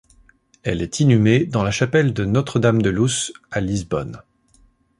Elle est inhumée dans la chapelle de Notre-Dame de Luz à Lisbonne.